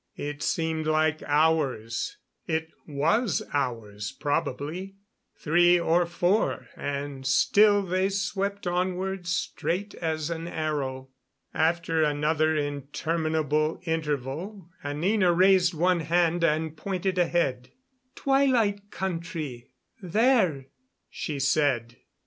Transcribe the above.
It seemed like hours it was hours probably, three or four and still they swept onward straight as an arrow. After another interminable interval Anina raised one hand and pointed ahead. "Twilight Country there," she said.